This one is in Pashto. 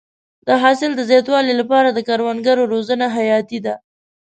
د حاصل د زیاتوالي لپاره د کروندګرو روزنه حیاتي ده.